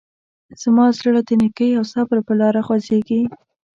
زما زړه د نیکۍ او صبر په لاره خوځېږي.